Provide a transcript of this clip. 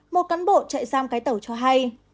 một cán bộ chạy giam cái tàu cho hay